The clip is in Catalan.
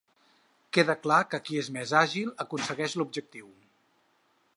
Queda clar que qui és més àgil aconsegueix l’objectiu.